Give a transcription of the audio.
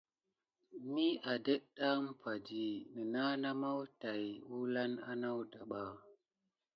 Mi ade əɗɗa aŋ umpa di, nənah na maw tay ulane anawda ɓa. Məfi i.